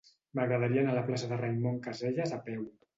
M'agradaria anar a la plaça de Raimon Casellas a peu.